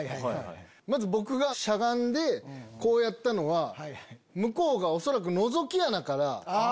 まず僕がしゃがんでこうやったのは向こうが恐らく。